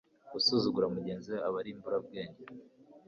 usuzugura mugenzi we, aba ari imburabwenge